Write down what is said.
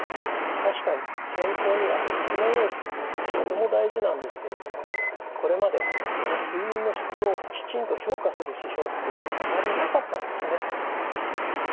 確かに健康には質の良い睡眠がとても大事なんですけれどもこれまでその睡眠の質をきちんと評価する指標っていうのはあまりなかったんですね。